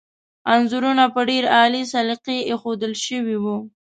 انځورونه په ډېر عالي سلیقې ایښودل شوي وو.